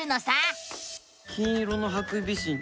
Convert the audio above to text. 金色のハクビシン